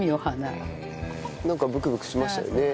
なんかブクブクしましたよね。